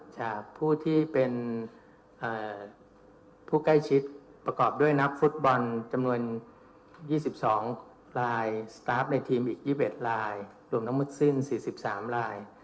จากผู้ที่เป็นผู้ใกล้ชิดประกอบด้วยนักฟุตบอลจำนวน๒๒ลายสตาร์ฟในทีมอีก๒๑ลายรวมทั้งหมดสิ้น๔๓ลาย